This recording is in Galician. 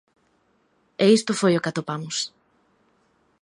E isto foi o que atopamos.